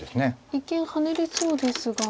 一見ハネれそうですが。